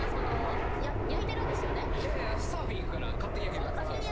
いやサーフィン行くから勝手に焼ける。